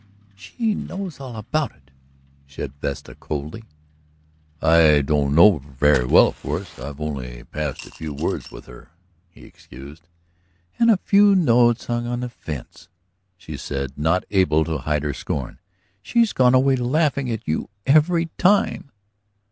"She knows all about it," said Vesta coldly. "I don't know her very well, of course; I've only passed a few words with her," he excused. "And a few notes hung on the fence!" she said, not able to hide her scorn. "She's gone away laughing at you every time."